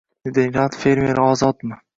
—Niderland fermeri ozodmi?